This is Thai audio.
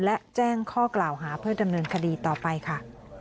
และแจ้งข้อกล่าวหาเพื่อดำเนินคดีต่อไปค่ะ